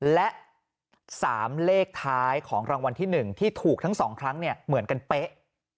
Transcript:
และ๓เลขท้ายของรางวัลที่๑ที่ถูกทั้ง๒ครั้งเหมือนกันเป๊ะ